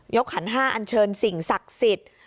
ขันห้าอันเชิญสิ่งศักดิ์สิทธิ์